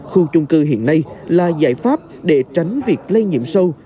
khu chung cư hiện nay là giải pháp để tránh việc lây nhiễm sâu